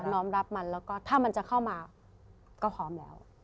น้องรับมันแล้วก็ถ้ามันจะเข้ามาก็พร้อมแล้ว